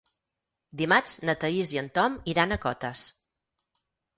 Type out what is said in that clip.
Dimarts na Thaís i en Tom iran a Cotes.